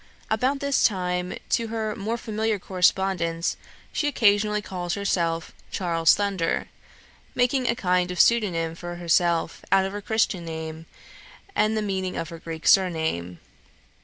About this time, to her more familiar correspondents, she occasionally calls herself "Charles Thunder," making a kind of pseudonym for herself out of her Christian name, and the meaning of her Greek surname.